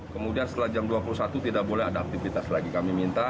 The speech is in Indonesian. kemudian setelah jam dua puluh satu tidak boleh ada aktivitas lagi kami minta